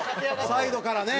サイドからね。